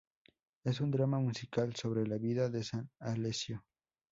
Es un drama musical sobre la vida de San Alessio.